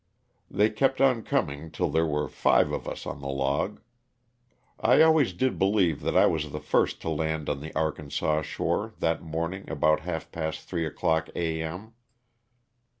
They kept on coming till there were five of us on the log. I always did believe tha.t I was the first to land on the Arkansas shore, that morn ing about half past three o'clock a. m.